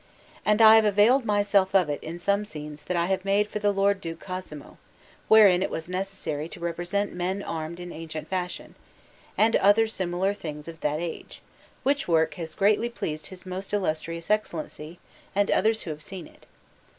And I have availed myself of it in some scenes that I have made for the Lord Duke Cosimo, wherein it was necessary to represent men armed in ancient fashion, and other similar things of that age; which work has greatly pleased his most Illustrious Excellency and others who have seen it.